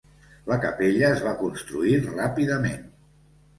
La capella es va construir ràpidament.